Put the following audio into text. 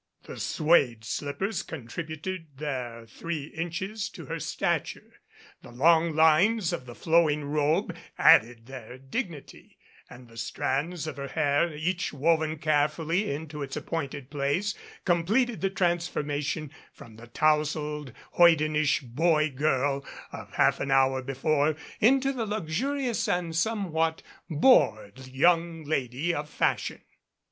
The suede slippers contributed their three inches to her stature, the long lines of the flowing robe added their dignity, and the strands of her hair, each woven carefully into its appointed place, completed the trans formation from the touseled, hoydenish boy girl of half an hour before into the luxurious and somewhat bored young lady of fashion.